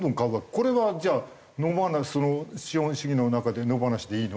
これはじゃあ野放し資本主義の中で野放しでいいの？